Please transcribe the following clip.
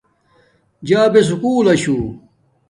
جابے سکُول لشو